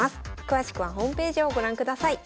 詳しくはホームページをご覧ください。